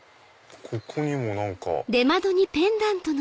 ここにも何か。